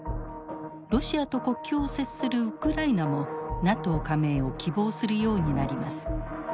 ロシアと国境を接するウクライナもＮＡＴＯ加盟を希望するようになります。